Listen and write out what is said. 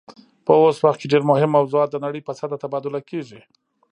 په اوس وخت کې ډیر مهم موضوعات د نړۍ په سطحه تبادله کیږي